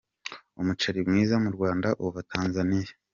Umuceri mwiza mu Rwanda, uva Tanzaniya.